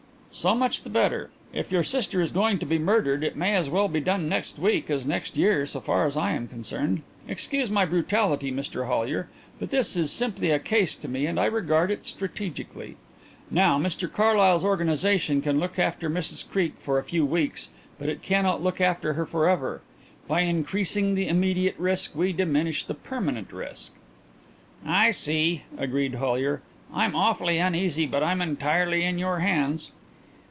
"So much the better. If your sister is going to be murdered it may as well be done next week as next year so far as I am concerned. Excuse my brutality, Mr Hollyer, but this is simply a case to me and I regard it strategically. Now Mr Carlyle's organization can look after Mrs Creake for a few weeks but it cannot look after her for ever. By increasing the immediate risk we diminish the permanent risk." "I see," agreed Hollyer. "I'm awfully uneasy but I'm entirely in your hands."